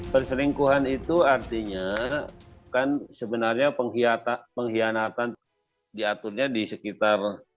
perselingkuhan itu artinya kan sebenarnya pengkhianatan diaturnya di sekitar